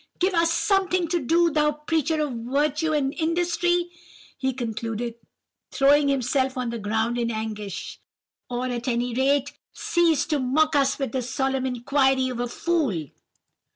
Give us something to do, thou preacher of virtue and industry,' he concluded, throwing himself on the ground in anguish; 'or, at any rate, cease to mock us with the solemn inquiry of a fool.